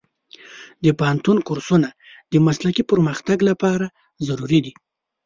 د پوهنتون کورسونه د مسلکي پرمختګ لپاره ضروري دي.